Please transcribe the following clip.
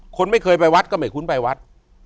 คนไม่เคยไปวัดก็ไม่คุ้นไปวัด